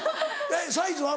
サイズは？